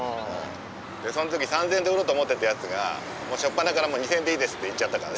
その時３，０００円で売ろうと思ってたやつがしょっぱなから２，０００円でいいですって言っちゃったからね。